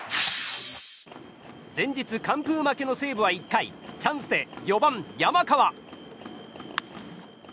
前日、完封負けの西武は１回チャンスで４番、山川。